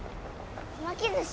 手巻き寿司。